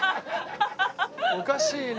おかしいな。